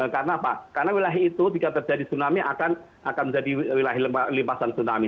karena apa karena wilayah itu jika terjadi tsunami akan menjadi wilayah limasan tsunami